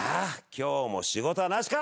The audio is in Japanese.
今日も仕事はなしか！